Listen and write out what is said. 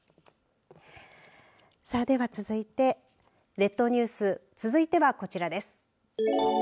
さあでは続いて列島ニュース続いてはこちらです。